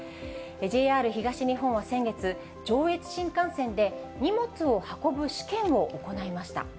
ＪＲ東日本は先月、上越新幹線で荷物を運ぶ試験を行いました。